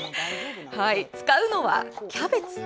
使うのは、キャベツ。